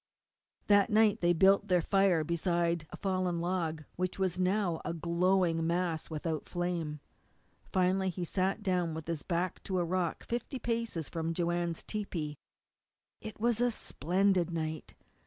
That night they had built their fire beside a fallen log, which was now a glowing mass without flame. Finally he sat down with his back to a rock fifty paces from Joanne's tepee. It was a splendid night.